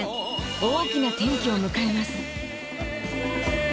大きな転機を迎えます。